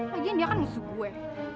lagian dia kan musuh gue